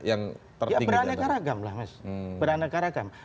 ya beraneka ragam